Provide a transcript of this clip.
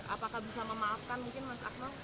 apakah bisa memaafkan mungkin mas akmal